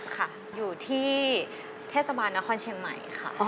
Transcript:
ค่ะอยู่ที่เทศบาลนครเชียงใหม่ค่ะ